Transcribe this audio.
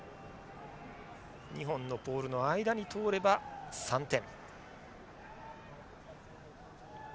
２本のポールの間に通れば３点。